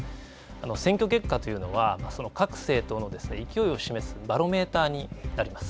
選挙結果というのは各政党の勢いを示すバロメーターになります。